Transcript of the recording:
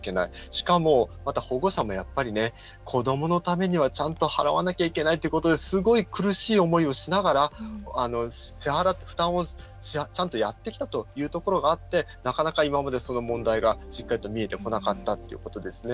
しかも、保護者もやっぱり子どものためには、ちゃんと払わなくちゃいけないということですごく苦しい思いをしながら負担をちゃんとやってきたというところがあってなかなか、今までその問題がしっかりと見えてこなかったというところですね。